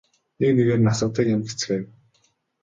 Нэг нэгээр нь асгадаг юм гэцгээв.